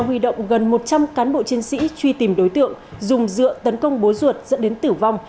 huy động gần một trăm linh cán bộ chiến sĩ truy tìm đối tượng dùng dựa tấn công bố ruột dẫn đến tử vong